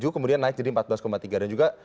kemudian naik jadi empat belas tiga dan juga